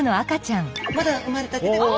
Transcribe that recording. まだ生まれたてで。